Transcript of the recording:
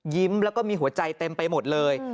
แล้วก็มีหัวใจเต็มไปหมดเลย